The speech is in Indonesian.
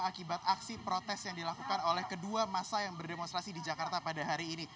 akibat aksi protes yang dilakukan oleh kedua masa yang berdemonstrasi di jakarta pada hari ini